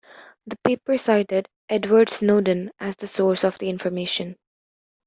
The paper cited Edward Snowden as the source of the information.